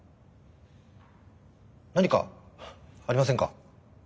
何かありませんか？